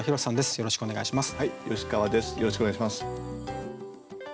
よろしくお願いします。